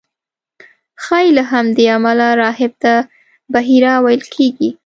ښایي له همدې امله راهب ته بحیرا ویل کېږي.